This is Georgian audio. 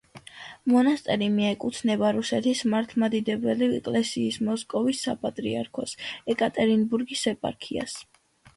მონასტერი მიეკუთვნება რუსეთის მართლმადიდებელი ეკლესიის მოსკოვის საპატრიარქოს ეკატერინბურგის ეპარქიას.